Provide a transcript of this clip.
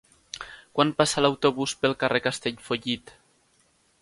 Quan passa l'autobús pel carrer Castellfollit?